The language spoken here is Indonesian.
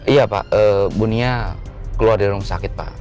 iya pak bunia keluar dari rumah sakit pak